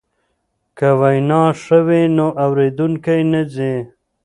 که وینا ښه وي نو اوریدونکی نه ځي.